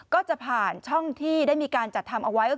ก็จะผ่าช่องที่มีการจัดทำออกไว้